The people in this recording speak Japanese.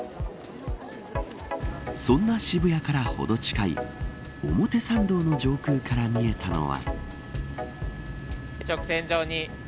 そんな渋谷からほど近い表参道の上空から見えたのは。